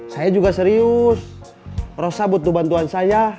saya juga serius rasa butuh bantuan saya